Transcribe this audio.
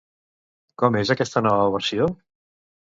Com és aquesta nova versió?